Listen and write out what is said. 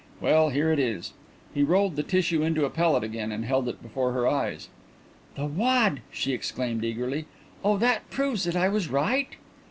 Well, here it is." He rolled the tissue into a pellet again and held it before her eyes. "The wad!" she exclaimed eagerly. "Oh, that proves that I was right?"